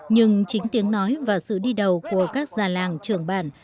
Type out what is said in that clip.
nhưng chính tiếng nói và sự đi đầu của các già làng trưởng bản